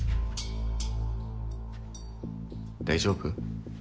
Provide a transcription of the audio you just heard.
大丈夫？